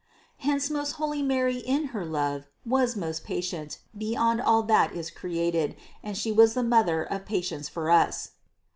Hence most holy Mary in her love was patient beyond all that is created and She was the Mother of patience for us.